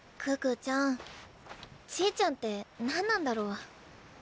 可可ちゃんちぃちゃんって何なんだろう。